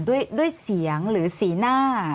ด้วยเสียงหรือสีหน้า